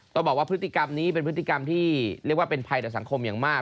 ต้องบอกว่าพฤติกรรมนี้เป็นพฤติกรรมที่เรียกว่าเป็นภัยต่อสังคมอย่างมาก